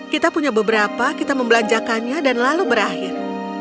kita punya beberapa kita membelanjakannya dan lalu berakhir